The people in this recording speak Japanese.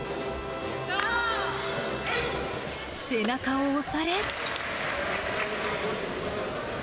背中を押され。